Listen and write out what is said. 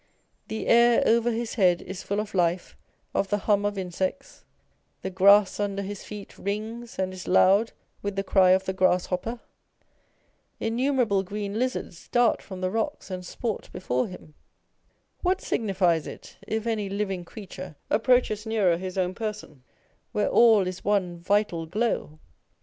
The air over his head is full of life, of the hum of insects ; the grass under his feet rings and is loud with the cry of the grasshopper ; innumerable green lizards dart from the rocks and sport before him : what signifies it if any living creature approaches nearer his own person, where all is one vital glow?